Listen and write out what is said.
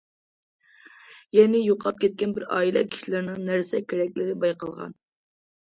يەنى، يوقاپ كەتكەن بىر ئائىلە كىشىلىرىنىڭ نەرسە- كېرەكلىرى بايقالغان.